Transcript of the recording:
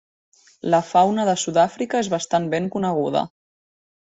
La fauna de Sud-àfrica és bastant ben coneguda.